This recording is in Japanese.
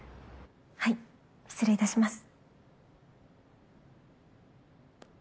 はい失礼いたします。